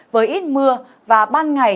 với ít mưa và ban ngày